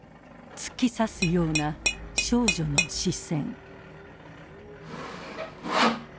突き刺すような少女の視線。